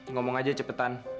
ngomong aja cepetan